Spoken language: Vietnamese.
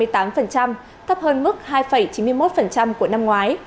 thấp hơn mức hai chín mươi một của năm hai nghìn hai mươi